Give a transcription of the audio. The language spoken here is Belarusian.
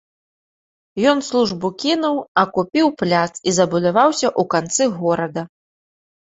Ён службу кінуў, а купіў пляц і забудаваўся ў канцы горада.